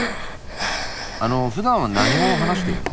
あのふだんは何語を話しているの？